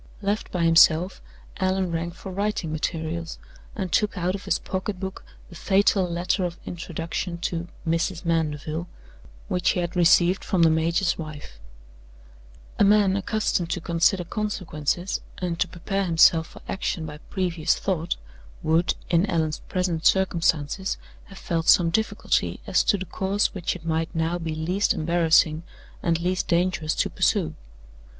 Left by himself, Allan rang for writing materials, and took out of his pocket book the fatal letter of introduction to "Mrs. Mandeville" which he had received from the major's wife. A man accustomed to consider consequences and to prepare himself for action by previous thought would, in Allan's present circumstances, have felt some difficulty as to the course which it might now be least embarrassing and least dangerous to pursue.